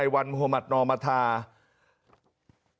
วันโรมัตินอมปราธานสภาพฤทธิลัศดร